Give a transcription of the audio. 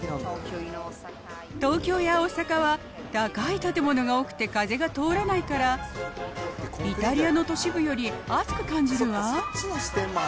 東京や大阪は高い建物が多くて風が通らないから、イタリアの都市部より暑く感じるわ。